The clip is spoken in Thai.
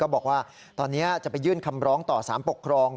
บอกว่าตอนนี้จะไปยื่นคำร้องต่อสารปกครอง